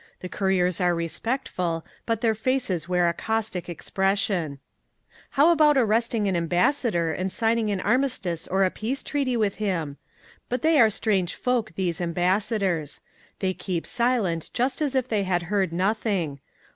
The couriers are respectful, but their faces wear a caustic expression…. "How about arresting an ambassador and signing an armistice or a Peace Treaty with him? But they are strange folk, these ambassadors. They keep silent just as if they had heard nothing.